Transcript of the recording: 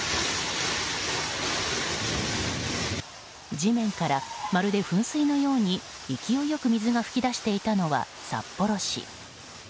地面から、まるで噴水のように勢いよく水が噴き出していたのは札幌市。